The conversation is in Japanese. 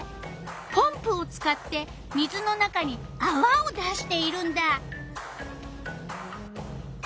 ポンプを使って水の中にあわを出しているんだ。